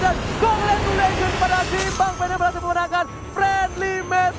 dan congratulations pada tim bang pen yang berhasil menggunakan friendly match